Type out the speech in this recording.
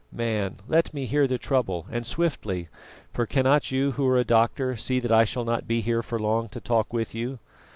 Man, let me hear the trouble, and swiftly, for cannot you who are a doctor see that I shall not be here for long to talk with you?